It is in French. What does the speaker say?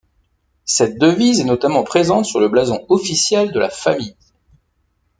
Cette devise est notamment présente sur le blason officiel de la famille.